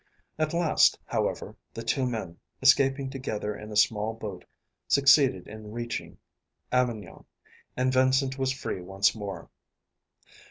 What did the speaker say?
At last, however, the two men, escaping together in a small boat, succeeded in reaching Avignon, and Vincent was free once more.